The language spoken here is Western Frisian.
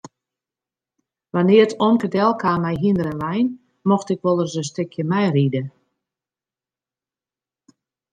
Wannear't omke delkaam mei hynder en wein mocht ik wolris in stikje meiride.